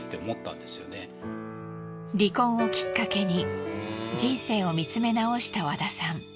離婚をキッカケに人生を見つめ直した和田さん。